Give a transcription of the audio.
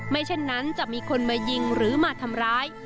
เช่นนั้นจะมีคนมายิงหรือมาทำร้าย